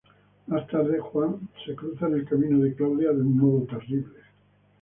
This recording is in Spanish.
Más tarde, Juan se cruza en el camino de Claudia de un modo terrible.